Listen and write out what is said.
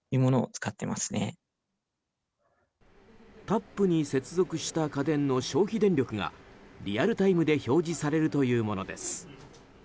タップに接続した家電の消費電力がリアルタイムで表示されるというものです。